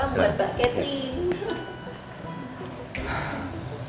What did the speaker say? salam buat mbak catherine